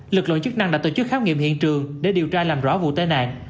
lực lượng chức năng đã tổ chức khám nghiệm hiện trường để điều tra làm rõ vụ tai nạn